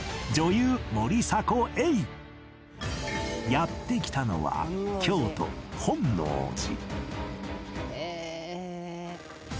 やって来たのは京都本能寺